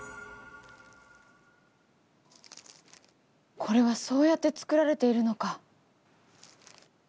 これはそうやって作られているのか。